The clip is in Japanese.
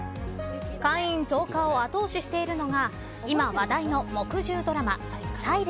会員増加を後押ししているのが今、話題の木１０ドラマ、ｓｉｌｅｎｔ。